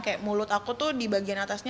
kayak mulut aku tuh di bagian atasnya